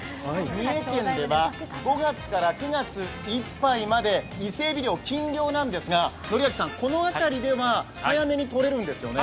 三重県では５月から９月いっぱいまで伊勢えび漁、禁漁なんですが、この辺りでは早めにとれるんですよね？